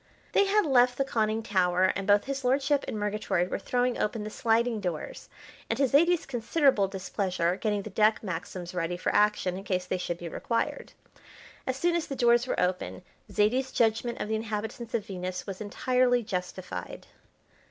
They had left the conning tower, and both his lordship and Murgatroyd were throwing open the sliding doors and, to Zaidie's considerable displeasure, getting the deck Maxims ready for action in case they should be required. As soon as the doors were open Zaidie's judgment of the inhabitants of Venus was entirely justified.